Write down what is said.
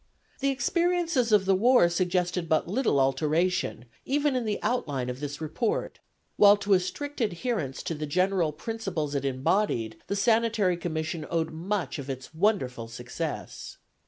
The experiences of the war suggested but little alteration, even in the outline of this report, while to a strict adherence to the general principles it embodied the Sanitary Commission owed much of its wonderful success.